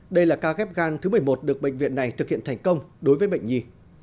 đây là ca ghép gan thứ một mươi một được bệnh viện này thực hiện thành công đối với bệnh nhi